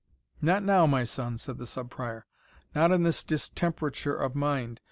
"Not now, my son," said the Sub Prior, "not in this distemperature of mind.